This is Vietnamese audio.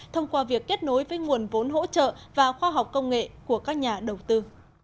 thông qua việc kết nối với nguồn vốn hỗ trợ và khoa học công nghệ của các nhà đầu tư